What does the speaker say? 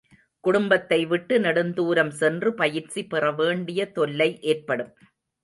குடும்பத்தை விட்டு நெடுந்துாரம் சென்று பயிற்சி பெறவேண்டிய தொல்லை ஏற்படும்.